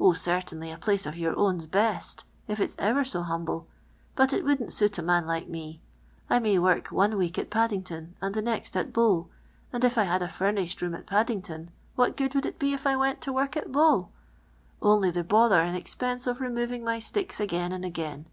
Oh, ccitainly, a place of your own 'k Ite.'t, if it's ever so humble, but it wouldn't suit a man like me. I may work one week at Paddington, an<l the next at I'ow, and if I had a furnished n)om at Faddinpt«in, what good wcMild it he if I went to wrrk nt IJow ) (.)nly the bnthtT and cxpinse of p moving my sticks j g .iin and again.